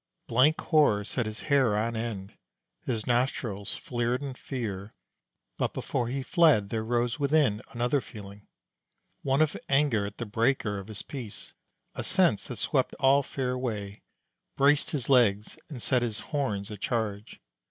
Blank horror set his hair on end; his nostrils flared in fear: but before he fled there rose within another feeling one of anger at the breaker of his peace, a sense that swept all fear away, braced his legs, and set his horns at charge.